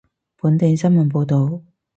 本地新聞報道